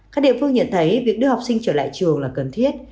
các địa phương nhận thấy việc đưa học sinh trở lại trường là cần thiết